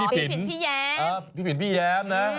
พี่ผินพี่แย้ม